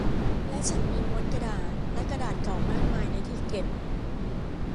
และฉันมีม้วนกระดาษและกระดาษเก่ามากมายในที่เก็บ